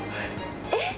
えっ？